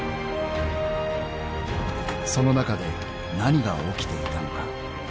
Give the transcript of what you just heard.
［その中で何が起きていたのか］